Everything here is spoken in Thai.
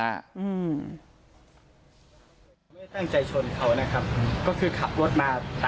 สวัสดีครับทุกคน